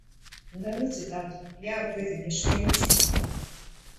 Даруйце, тату, я аб гэтым яшчэ не мысліла.